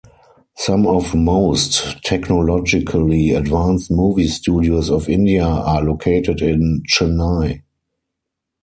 Some of most technologically advanced movie studios of India are located in Chennai.